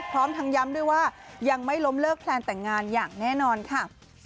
พร้อมทั้งย้ำด้วยว่ายังไม่ล้มเลิกแพลนแต่งงานอย่างแน่นอนค่ะ